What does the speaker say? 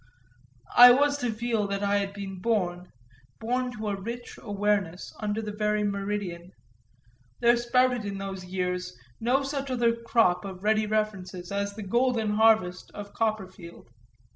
I was to feel that I had been born, born to a rich awareness, under the very meridian; there sprouted in those years no such other crop of ready references as the golden harvest of Copperfield.